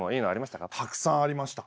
たくさんありました。